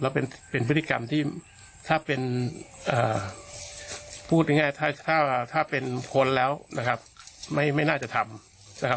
แล้วเป็นพฤติกรรมที่ถ้าเป็นพูดง่ายถ้าเป็นคนแล้วนะครับไม่น่าจะทำนะครับ